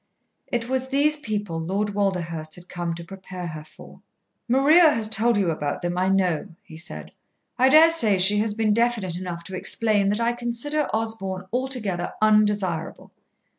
It was these people Lord Walderhurst had come to prepare her for. "Maria has told you about them, I know," he said. "I dare say she has been definite enough to explain that I consider Osborn altogether undesirable.